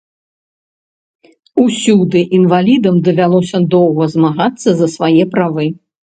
Усюды інвалідам давялося доўга змагацца за свае правы.